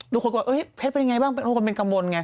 ทุกคนเป็นไงบ้างเป็นคนเป็นกำลังไง